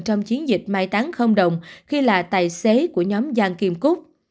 trong chiến dịch mai tán không đồng khi là tài xế của nhóm giang kim cúc